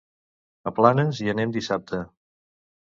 A Planes hi anem dissabte.